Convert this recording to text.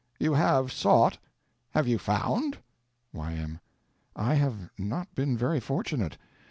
You have sought. What have you found? Y.M. I have not been very fortunate.